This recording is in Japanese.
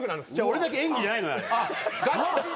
俺だけ演技じゃないのよ。